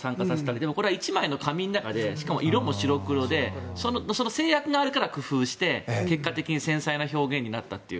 でもこれは１枚の紙の中でしかも色も白黒で制約があるから工夫して結果的に繊細な表現になったという。